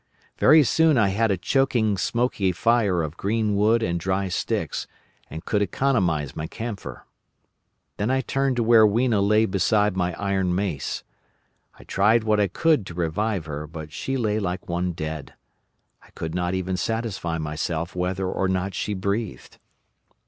Very soon I had a choking smoky fire of green wood and dry sticks, and could economise my camphor. Then I turned to where Weena lay beside my iron mace. I tried what I could to revive her, but she lay like one dead. I could not even satisfy myself whether or not she breathed.